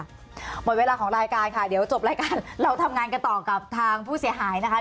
หมดเวลาของรายการค่ะเดี๋ยวจบรายการเราทำงานกันต่อกับทางผู้เสียหายนะคะ